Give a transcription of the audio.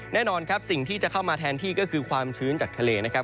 แน่นอนครับสิ่งที่จะเข้ามาแทนที่ก็คือความชื้นจากทะเลนะครับ